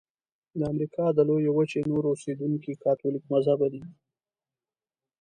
د امریکا د لویې وچې نور اوسیدونکي کاتولیک مذهبه دي.